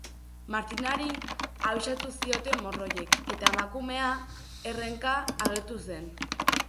Martinari abisatu zioten morroiek, eta emakumea herrenka agertu zen.